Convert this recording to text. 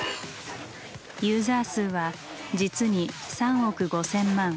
ユーザー数は実に３億５，０００万。